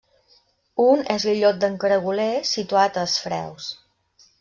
Un és l'illot d'en Caragoler situat a es Freus.